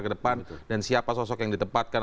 ke depan dan siapa sosok yang ditempatkan